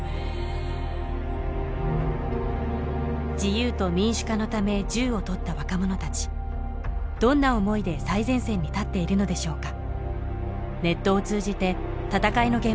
自由と民主化のため銃を取った若者たちどんな思いで最前線に立っているのでしょうか